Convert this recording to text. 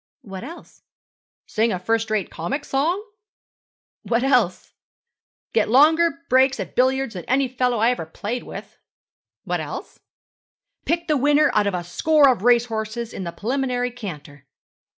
'What else?' 'Sing a first rate comic song.' 'What else?' 'Get longer breaks at billiards than any fellow I ever played with.' 'What else?' 'Pick the winner out of a score of race horses in the preliminary canter.'